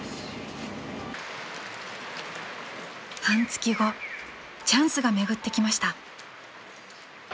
［半月後チャンスが巡ってきました］